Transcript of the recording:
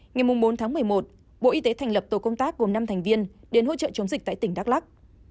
ngày bốn tháng một mươi một bộ y tế thành lập tổ công tác gồm năm thành viên đến hỗ trợ chống dịch tại tỉnh đắk lắc